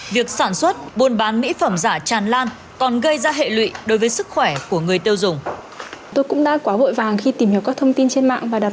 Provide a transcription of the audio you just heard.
việc sản xuất buôn bán mỹ phẩm giả tràn lan